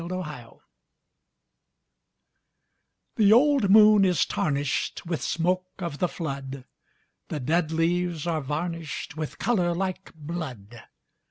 5 Autoplay The old moon is tarnished With smoke of the flood, The dead leaves are varnished With colour like blood.